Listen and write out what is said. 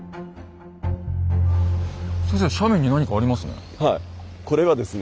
先生斜面に何かありますね。